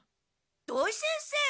土井先生！